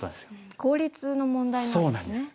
効率の問題なんですね。